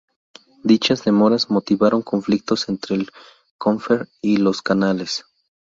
Dichas demoras motivaron conflictos entre el Comfer y los canales.